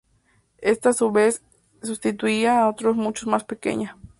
Ésta a su vez sustituía a otra mucho más pequeña.